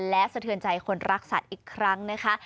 และสะเทือนใจคนรักสัตว์อีกครั้งนะคะ